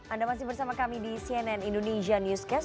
anda masih bersama kami di cnn indonesia newscast